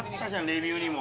レビューにも。